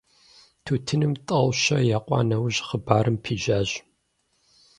Тутыным тӀэу-щэ екъуа нэужь хъыбарым пищащ.